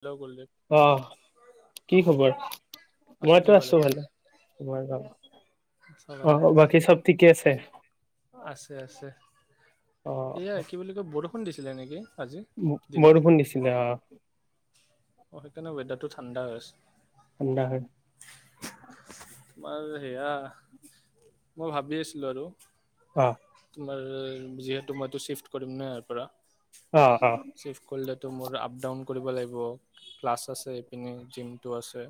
Hello Kuldeep অ কি খবৰ মইতো আছো ভালে আছা ভালে [unintelligible] বাকী চব ঠিকেই আছে আছে আছে অ। ফোন দিছিলে নেকি? আজি দিনত বৰষুণ দিছিলে অহ অ সেইকাৰণে ৱেডাৰ টো ঠাণ্ডা হৈ আছে। ঠাণ্ডা হয়। তোমাৰ সেয়া মই ভাবি আছিলো আৰু অ। আৰু যিহেতু মইতো ছিফ্ট কৰিমে ইয়াৰ অ অ পৰা। চিফ কৰিলে তো মোৰ আপ ডাউন কৰিব লাগিব ক্লাছ আছে এইপিনে জিমটো আছে।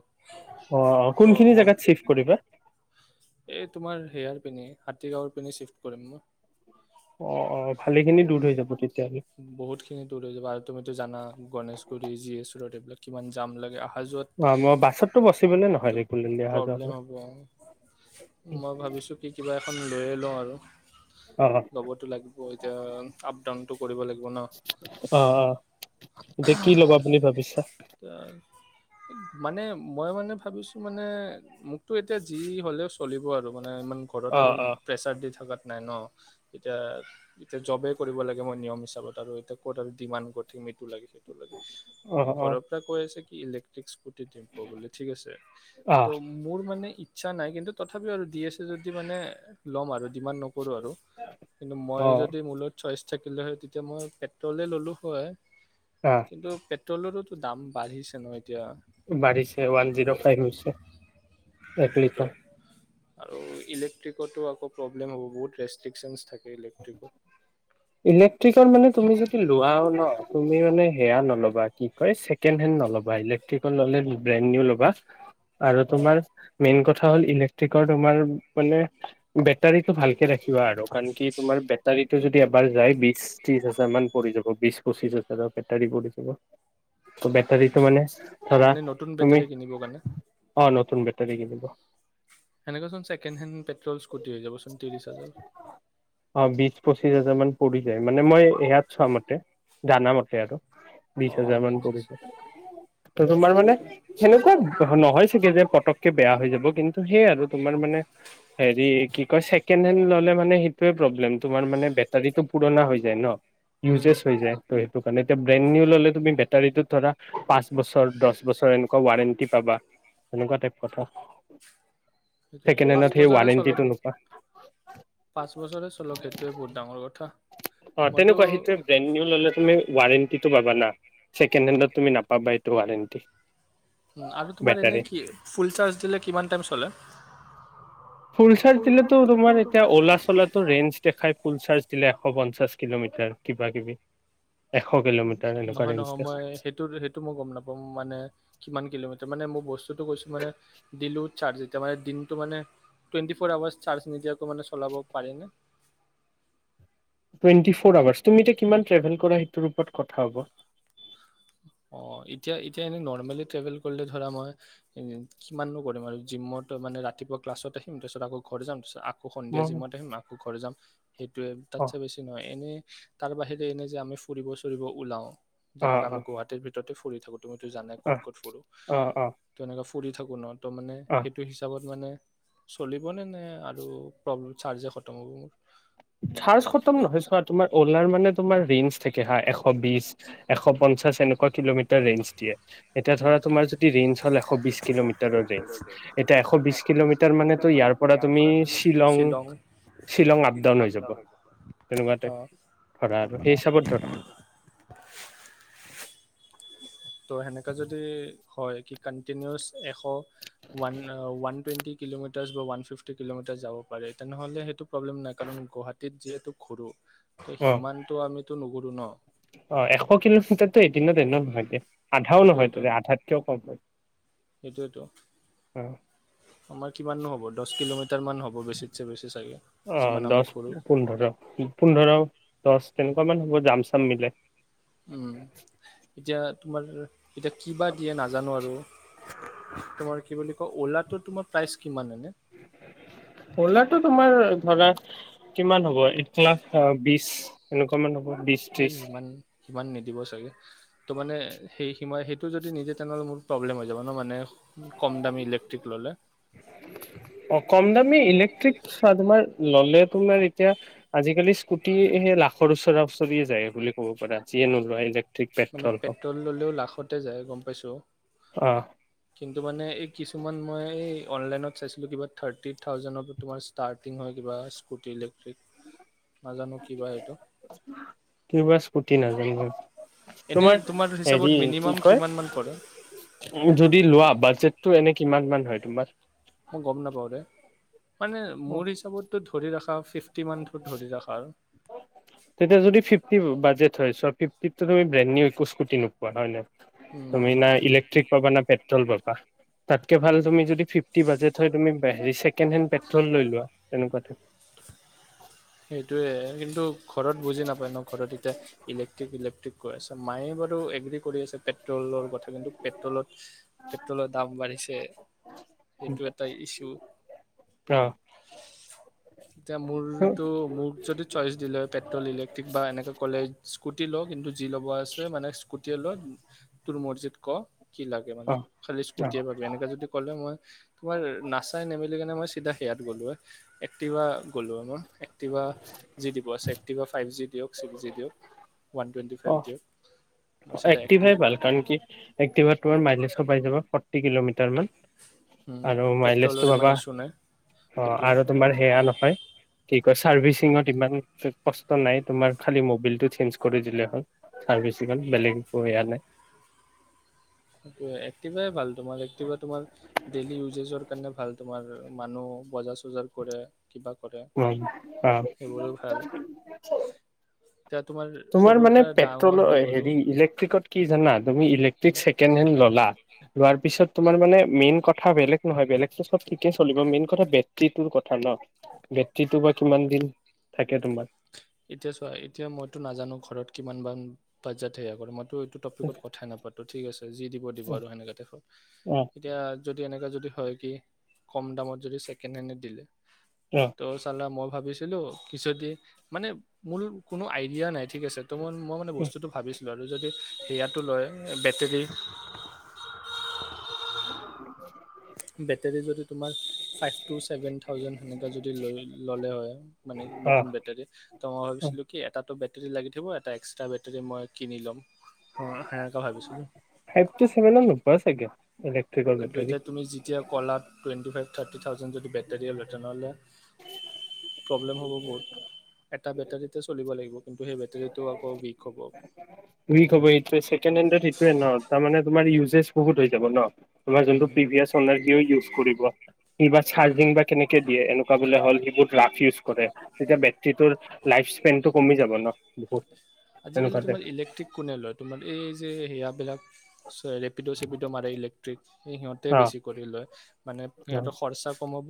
অ অ তো কোনখিনি মই জাগাত চিফ কৰিবা? এই তোমাৰ হেয়াৰ পিনে হাতীগাঁৱৰ পিনে চিফ্ট কৰিম মই অ অ ভালে খিনি দূৰ হৈ যাব তেতিয়া বহুত খিনি দূৰ হৈ যাব আৰু তুমিতো জানা গণেশ [unintelligible] অহা অ মই বাছততো পচিবলে যোৱাত নহয় ৰেগুলাৰলি অহা যোৱা প্ৰব্লেম কৰা হ'ব আৰু মই ভাবিছোঁ কি কিবা খন লৈ এ লওঁঁ আৰু। অ ল'বতো লাগিব এতিয়া আপ ডাউন দিব লাগিব ন অ অ এতিয়া কি ল'বা বুলি ভাবিছা মানে মই মানে ভাবিছো মানে মোকতো এতিয়া যি হলেও চলিব আৰু মানে ইমান ঘৰত অ আৰু অ প্ৰেছাৰ দি থকাত নাই ন এতিয়া এতিয়া জবে কৰিব লাগিব মই নিয়ম হিচাপত আৰু এতিয়া ক'ত আৰু ডিমাড কৰি ঠাকিম সেতু লাগে অ মিটো অ ঘৰৰ পৰা কৈ আছে কি ইলেক্ট্ৰিস্কত [unintelligible] ঠিক আছে অ ত' মোৰ মানে ইচ্ছা নাই কিন্তু তথাপিও আৰু দি এছে যদি মানে ল'ম আৰু ডিমাধ নকৰোঁ আৰু কিন্তু মই অ যদি মূলত ছয়ইছ চাইকেল হয় তেতিয়া মই পেট্ৰলে ল'লোঁ হয় অ টলৰতো দাম বাঢ়িছে নহয় বাঢ়িছে ওৱান জিৰ' ফাইভ হৈছে এক সেইটোৱেতো লিটাৰ আৰু ইলেক্ট্ৰিকতো আকৌ প্ৰব্লেম হ'ব এই ইলেক্ট্ৰিকত ইলেক্ট্ৰিকৰ মানে তুমি যদি লোৱাও ন তুমি মানে সেয়া নল'বা কি কয় ছেকেণ্ড হেণ্ড নল'বা ইলেক্ট্ৰিকেল নলে ব্ৰেণ্ড নেও ল'বা আৰু হা তোমাৰ মেইন কথা চাউণ্ড ইলেক্ট্ৰিকৰ যে বেতাৰিটো ভালকে ৰাখিবা আৰু কাৰণ কি তোমাৰ বাতৰিটো এবাৰ যায় বিশ ত্ৰিশ হাজাৰ মান পৰি যাব বিশ পঁচিশ হাজাৰৰ বেটাৰী পৰি যাব ত বেটাৰীটো মানে ধৰা মানে নতুন তুমি বেটাৰী কিনিবৰ কাৰণে অ নতুন বেট তাৰকে দিব সেনেৱাচোন ছেকেণ্ড হেণ্ড পেট্ৰল স্কুটি হৈ যাবচোন ত্ৰিশ হাজাৰ পঁচিছ হাজাৰ মান পৰি যায় মানে মই ইয়াত চামতে জানামতে আৰু অ বিশ হাজাৰ মান অনলাইন পৰিব পৰিব তোমাৰ মানে সেইটোৱেতো সেনেকুৱা নহয় চাগে যে পতকে বেয়া হৈ যাব কিন্তু সেইয় আৰু তোমাৰ মানে হেৰি কি কয় ছেকেণ্ড হেণ্ড ললে মানে সেইটোয়ে প্ৰব্লেম তোমাৰ মানে বেটাৰীতটো পুৰণা হৈ যায় ন। উম ইউজছ হৈ যায় ত সেইটো। এতিয়া ব্ৰেণ্ড নিউ ললে তুমি বেটাৰীতো ধৰা পাঁচ বছৰ দহ বছৰ অন ৱাৰেণ্টি পাবা তেনেকুৱা টাইপ কথা সেইটোৱেটো ছেকেণ্ড পাঁচ হেণ্ডত সেই বছৰে ৱাৰেণ্টিটো চলক নোপোৱা পাঁচ বছৰে চলক সেইটোয়ে বহুত ডাঙৰ কথা অ মইতো তেনেকুৱা সেইটোৱে ব্ৰেণ্ড ললে তুম ৱণ্টিটো পাবা না ছেকেণ্ড হেণ্ডত তুমি নাপাবা এইটো ৱাৰেণ্টি আৰু তোমাৰ এনে বেটাৰী কি ফুল চাৰজ দিলে কিমান টাই চলে ফুল চাৰ্ দিলেতো তোমাৰ এতিয়া অ'লা চলাটো ৰেঞ্জ দেখাই ফুল চাৰ্জ দিলে এশ পঞ্চাশ কিলোমিটাৰ কিবা কিবি এশ কিলোমিটাৰ এনেকুৱা নহয় ৰেঞ্জ নহয় মই সেইটো সেইটো মই গম নাপাম মানে কিমান কিলোমিটাৰ মানে মোৰ বস্তুতটো কৈছো মানে দিলো মানে দিনটো মানে টেটি ফ আৱাৰ চাৰ্জ নিদিয়াকো মানে চলাব পাৰি ন? টুৱেণ্টি ফৰ আৱাৰ্চ তুমি এতিয়া কিমান ট্ৰেভেল কৰা সেইটোৰ ওপৰত কথা হ'ব। অঁ এতিয়া এতিয়া এনেই নৰ্মেলি ট্ৰেভেল কৰিলে ধৰা মই কিমাননো কৰিম আৰু জিমত মানে ৰাতিপুৱা ক্লাছত আহিম তাৰপিছত আকৌ ঘৰ যাম তাৰপিছতৌ আকৌ সন্ধিয়া মই জিমত আহিম আকৌ ঘৰ যাম সেইটোৱে অ তাতছে বেছি নহয় এনেই তাৰ বাহিৰে এনে যে আমি ফুৰিব চুৰিব ওলাও অ যেনেক অ আমি গুৱাহাটীৰ ফৰি থাকো তুমি জানে অ ক'ত ক'ত অ অ ফুৰোনে পঢ় থোঁ ন ত মানে অ সেইটো হিচাপত মানে চলিবনে নে? আৰু প্ৰব্লেম চাৰ্জে খতম হ'ব মোৰ। চাৰ্জ খতম নহয় চোৱা তোমাৰ অলাৰ মানে তোমাৰ ৰেঞ্জ থাকে হা- এশ বিশ এশ পঞ্চাশ এনেকুৱা কিলোমিটাৰ ৰেঞ্জ দিয়ে। এতিয়া ধৰা উম। তোমাৰ যদি ৰেঞ্জ হ'ল এশ বিশ কিলোমিটাৰৰ ৰেঞ্জ। এতিয়া এশ বিশ কিলোমিটাৰ মানেো ইয়াৰ পৰা তুমি শ্বিলং শ্বিলং আপ ডাউন হৈছে। তেনেকুৱা টাইপ অ', ধৰা আৰু সেই হিচাপত ধৰা। [inaudible] ত' সেনেকে যদি- হয় কি কন্টিনউচ এশৱান ওৱান টুৱেণ্টি কিলোমিটাৰছ বা ওৱান ফিফটি কিলোমিটাৰছ যাব পাৰে তেনেহলে সেইটো প্ৰব্লেম নাই কাৰণ গুৱাহাটীত যিহেতু ঘুৰু। ত- অ সিমানতটো আমি- নুঘুৰো ন? অ এশ কিলোমিটাৰতো এদিনত এনেও নহয়। আধাও নহয় সেইটোৱেতো তাৰ আধাতকেও কম হয়। সেইটোৱেতো। অ- আমাৰ কিমাননো হ'ব? দহ কিলোমিটাৰ- অ যিমান আমি ঘূৰোঁ। দহ- পোন্ধৰ, পোন্ধৰ- দহ। তেনেকুৱাামান হ'ব যাম চাম মিলাই। উম- এতিয়া- তোমাৰ এতিয়া কিবা- কিযে নাজানো আৰু তোমাৰ কি বুলি? অ'লাটোতোমাৰ প্ৰাইচ কি হ'ব? অ'লাটো তোমাৰ- ধৰা কিমান হ'ব? এক লাখ বিশ এনেকুৱা মান হ'ব। বিশ এই ত্ৰিশ ইমান। ইমান নিদিব ছাগে। তো মানে সেই সিমান সেই- টো যদি নিদিয়ে তেনেহ'লে মোৰ প্ৰব্লেম হৈ যাব নহ মানে- কমদামি ইলেক্ট্ৰিক ল'লে। তুমি ইলেক্ট্ৰিক চোৱা তোমাৰ ল'লে তোমাৰ এতিয়া আজিকালি স্কুটি সেই লাখৰ ওচৰা ওচৰিয়ে যায় বুলি ক'ব পাৰা যিয়ে নোলোৱা। মানে পেট্ৰল ললেও লাখতে যায়, গম পাইছো। অ কিন্তু মানে এই কিছুমান মই অনলাইনত চাইছিলো, কিবা থাৰ্টি থাউজেণ্ডৰ পৰা তোমাৰ ষ্টাৰ্টিং হয় কিবা স্কুটি লৈকে কিবা স্কুটি নাজানো মই এনে তোমাৰ হিচাপত হেৰি কি মিনিমাম কয়, কিমান মান পৰে যদি লোৱা বাজেটটো এনেকে কিমান মান হয় তোমাৰ মই গম নাপাওঁ দেই। ফিফটি মানটো ধৰি ৰাখা আৰু তেতিয়া যদি ফিফটি বাজেট হয় চব ফিফটিটো তুমি ব্ৰেড নিউ একো ইচকোটি নোপোৱা হয়নে? উম। তুমি না ইলেক্ট্ৰিক পাবা না পেট্ৰল পাবা। তাতকে ভাল তুমি যদি ফিফটি বাজে হয়‌ তুমি হেৰি চেকেণ্ড হেণ্ড পেট্ৰ'ল খন লৈ লোৱা তেনেকুৱাতে সেইটোৱে কিন্তু ঘৰত বুজি নাপায় নহ ঘৰত এতিয়া ইলেক্ট্ৰিক ইলেক্ট্ৰিক কৈ আছে। মায়ে বাৰু এগ্ৰী কৰি আছে পেট্ৰলৰ কথা কিন্তু পেট্ৰলত পেট্ৰলৰ দাম বাঢ়িছে সেইটো এটা ইছু, অ', এতিয়া মোৰ মোক যদি চইচ দিলে হয় পেট্ৰ'ল, ইলেক্ট্ৰিক বা এনেকে ক'লে ইচকোটি হিল কিন্তু যি ল'ব আছে মানে স্কুটিয়ে লোৱা তোৰ মৰজিট কহ কি লাগে মানে অ', খালি অ', স্কুটিয়ে পাব এনেকে যদি ক'লে মই তোমাৰ নাচাই নেমেলি [unintelligible] কিনা মই চিধা সেয়াত গলো হয়, একটিভাট গলো হয় মই একটিভা যি দিব আছে একটিভা ফাইভ জি দিয়ক চিগজি দিয়ক ওৱান টুৱেণ্টি ফাইভ অ', দিয়ক মই চিধা এক্টিভ এক্টিভাই ভাল কাৰণ কি এক্টিভাত তোমাৰ মাইলেজো পায় যাবা। আৰু ফৰটি কিলোমিটাৰ তাৰ মান আৰু মাইলেজটো পেট্ৰলৰ ইমান পাবা ইছ্যু নাই অহ সেইটোৱে আৰু তোমাৰ হেয়া নহয় কি চাৰ্ভিচিঙত ইমান কষ্ট নাই, তোমাৰ খালি মবিলটো চেঞ্জ কৰি দিলে হ'ল। চাৰ্ভি ইমান বেলেগ একো সেয়া নাই। সেইটোৱে একটিভাই ভাল তোমাৰ, একটিভা তোমাৰ ডেইলি ইউজেজৰ কাৰণে ভাল। তোমাৰ মানুহ বজাৰ চজাৰ কৰে কিবা কৰে অ অ সেইবোৰো ভাল এতিয়া তোমাৰ সৰুৰ মানে পৰা পেট্ৰল ডাঙৰ হৈ গ'লো হেলেক্ট্ৰিকত কি জানা তুমি ইলেক্ট্ৰিক উম, ছেকেণ্ড হেণ্ড ল'লা লোৱাৰ পিছত তোমাৰ মানে মেইন কথা বেলেগ নহয় বেলেগতো চব ঠিকেই চলিব মেইন কথা বেট্ৰিটোৰ কথা ন বেট্ৰিটো বা কিমান দিন থাকে তোমাৰ এতিয়া চোৱা এতিয়া মইতো নাজানো ঘৰত কিমানান [unintelligible] বজাত সেয়া কৰে মই ক নাপাতো ঠিক আছে যি দিব দিব আৰু সেনেকাতে অ এতিয়া যদি এনেকা যদি হয় কি কম দামত যদি ছেকেণ্ড হেণ্ড এ দিলে অ ত চল মগ ভাবিছিলো কিছুদি মানে মোৰ কোনো আইডিয়া নাই ঠিক আছে তই মই মান বস্তুটো ভাবিছো লদি যদি সেয়াটো লয় বেটেৰী উ বেটেৰী তোমাৰ চেভেন [unintelligible] থাওজেন ললে হয় মানে নতুন বেটেৰী মই অ ভাবো কি এটা [unintelligible] বেটে লাগি থাকিব [unintelligible] এটা এক্সট্ৰা বেটেৰী মই কিনি ল'ম হ- সেনেকা ভাবিছিলো ফাইভ টু চেভন ন পোৱাছোকে কিন্তু এতিয়া তুমি যেতিয়া ক'লাত টুৱেণ্টি ফাইভ থাৰ্টি থাউেণ্ড যদি বেটৰী লেটন'লৈ প্ৰব্লেম হ'ব বহুত এটা বেটাৰীতে চলিব লাগিব কিন্তু সেই বেটাৰীটো আকৌ উইক হ'ব আকৌ। উক হবটোৱেছেকে [unintelligible] টোৱে ন তাৰমানে তোমাৰ ইউজেজ বহুত হৈ যাব ন তোমাৰ যোনটো উম প্ৰিভিয়াছাৰ ইউজ কৰিব উম, চাৰ্জিং বা কেনেকে দিয়ে এনেকুৱা বোলে হল সত ৰাফ ই কৰে তেতিয়া বেটৰ লাই্পেন কমি যাব ন বিখ আজ তমাৰলেকট্টীক কোনে লয় ত যে সেয়াবিলাক ৰেপিডো চেপিডো মাৰে ইলেক্ট্ৰিক সিহঁতে অ বেছি কৰি লয় মানে অ সিহঁতৰ খৰচা কমাব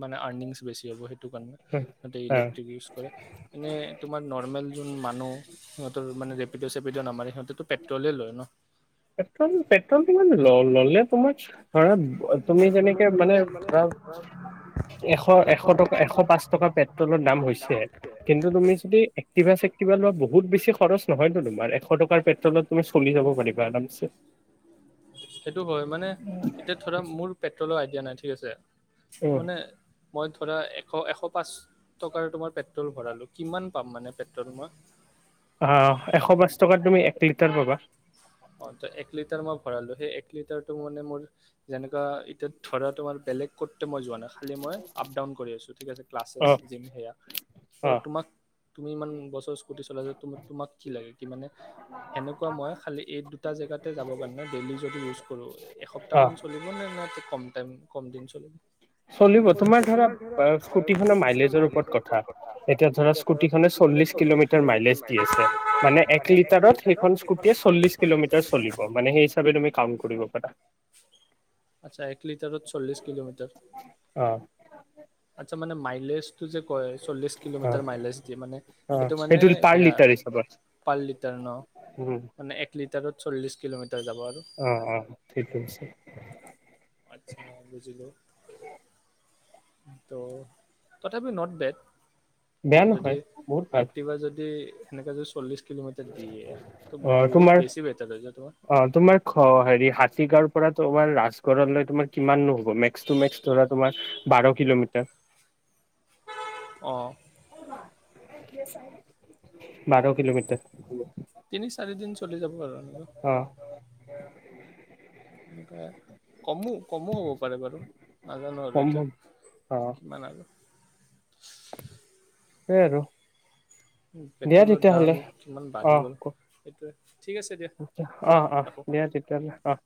মানে আৰ্নিংছ বেছি হ'ব সেইটো ণে সতে অ ইলেক্ট্ৰিক ইউজ কৰে এনেই তোমাৰ নৰ্মেল যোন মানুহ সিহঁতৰ মান ৰেপিডঅ চেপিড নামাৰে সিহঁতেটো পেট্ৰলে লয় ন পেট্ৰল পেট্ৰল তোমাৰ ল ললে তোমাৰ ধৰা তুমি যেনেকে মানে ধৰা এশ এশ টকা এশ পাঁচ টকা পেট্ৰলৰ দাম হৈছে কিন্তু তুমি যদি এক্টিভা চেক্টিভা লোৱা বহুত বেছি খৰচ নহয়তো তোমাৰ এশ টকাৰ পেট্ৰলত তুমি চলি যাব পাৰিবা আছে সেইটো হয় মানে এতিয়া ধৰা মোৰ পেট্ৰলৰ আইডিয়া নাই ঠিক আছে ত উম মানে মই ধৰা এশ এশ পাঁচ টকাৰ তোমাৰ পেট্ৰল ভৰালো কিমান পাম মানে পেট্ৰল মই অ এশ পাঁচ টকাত তুমি এক লিটাৰ পাবা অ ত এক লিটাৰ মই ভৰালো সেই এক লিটাৰটো মানে মোৰ যেনেকুৱা এতিয়া ধৰা তোমাৰ বেলেগ কত মই যোৱা নাই খালী মই আপ ডাউন কৰি আছোঁ ঠিক আছে ক্লাছেছ অ জিম সেয়া অ ত' তোমাক তুমি ইমান গছৰ চলা য ত তোমাক কি লাগে কি মানে সেনেকুৱা মই খালী এই দুটা জেগাতে যাবৰ কাৰণে ডেইলি যদি ইউজ কৰো এসপ্তাহ অ মান চলিব নে ন কম টাইম চলিব তোমাৰ ধৰা স্কুটিখনৰ বুজি মাইলেজৰ ওপৰত কথা এতিয়া ধৰা স্কুটিখনে চল্লিশ পোৱা কিলোমিটাৰ মাইলেজ দি আছে মানে এক লিটাৰত সেইখন স্কুটিয়ে চল্লিশ নাই কিলোমিটাৰ চলিব মানেই সেই হিচাপে তুমি কাউণ্ট কৰিব পাৰা বুজি পোৱা নাই এক লিটাৰত চল্লি কিলোমিটাৰ অ আচছা মানে মাইলেজ চল্লিশ অ কিলোমিটাৰ মাইলেজ দি মানে অ সেইটো মানে পাৰ সেয়া লিটাৰ হিচাপত পাৰ লিটাৰ উম মানে এক লিটাৰত এক লিটাৰত চলিচ কিলমিটাৰ অ অ ঠিক আচ্ছা বুজিলো ত' তথাপি নট বেড বেয়া যদি নহয় বহুত ভাল একটিভা যদি এনেকা যে চলিছে কিলোমিটাৰ দিয়ে অ বহুত তোমাৰ বেছি বেটৰ হৈ হৈছে অ খ হেৰি তোমাৰ হাতীগাঁওৰ তোমাৰ ৰাজগড় তোমাৰ কিমান নহ'ব মেক্স মেক্স ধৰা তোমাৰ বাৰ কিলোমিটাৰ অ', অবা বাৰ কিলোমিটৰ উ তিনি চাৰি দিন চলি যাব আৰু অ এনেকে কমো কমো হ'ব পাৰে বাৰু নাজানো আৰু কম এতিয়া অ কিমান আৰু সেই আৰু দিয়া পেট্ৰলৰ দাম তেতিয়াহ'লে কিমান বাঢ়ি গ'ল সেইটোৱে ঠিক আছে দিয়া অঁহ অঁ ৰাখোঁ। দিয়া তেতিয়াহ'লে আঁহ